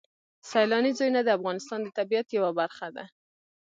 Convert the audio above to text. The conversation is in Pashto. سیلاني ځایونه د افغانستان د طبیعت یوه برخه ده.